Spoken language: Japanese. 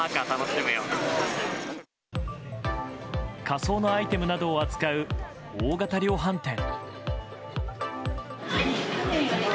仮装のアイテムなどを扱う大型量販店。